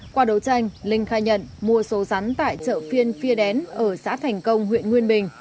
qua đấu tranh linh khai nhận mua số rắn tại chợ phiên phia đén ở xã thành công huyện nguyên bình